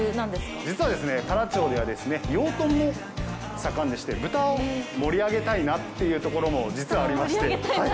実は、太良町では養豚も盛んでして豚を盛り上げたいなというところも実は、ありまして。